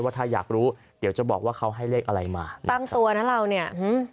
ถ้าอยากรู้เดี๋ยวจะบอกว่าเขาให้เลขอะไรมาตั้งตัวนะเราเนี่ยอืม